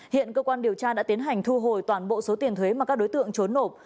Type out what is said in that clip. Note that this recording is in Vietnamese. hiện cơ quan điều tra đã tiến hành thu hồi toàn bộ số tiền thuế mà các đối tượng trốn nộp